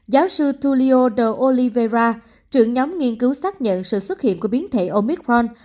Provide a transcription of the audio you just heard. giáo sư tulio de olivera trưởng nhóm nghiên cứu xác nhận sự xuất hiện của biến thể omicron